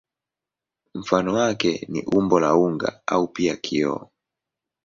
Mfano wake ni umbo la unga au pia kioo.